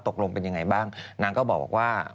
ตกลงเป็นยังไงบ้างนางก็บอกว่า